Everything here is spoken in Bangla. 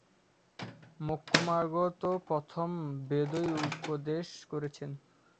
মোক্ষমার্গ তো প্রথম বেদই উপদেশ করেছেন।